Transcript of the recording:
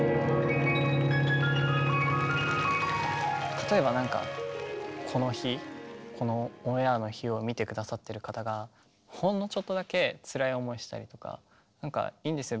例えばなんかこの日このオンエアの日を見て下さってる方がほんのちょっとだけつらい思いしたりとかいいんですよ